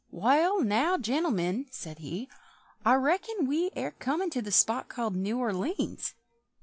"Wall, now, gentlemen," said he, "I reckon we air comin' to the spot called New Or leéns!"